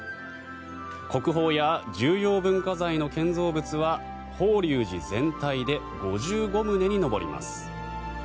国宝や重要文化財の建造物は法隆寺全体で５５棟に上ります。